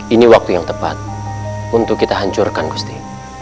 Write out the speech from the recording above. ini waktu yang tepat untuk kita hancurkan gusti